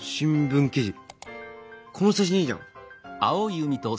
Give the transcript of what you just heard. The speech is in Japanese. この写真いいじゃん。